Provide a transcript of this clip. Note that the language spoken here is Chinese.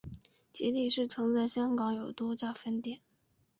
吉利市曾在香港有多家分店。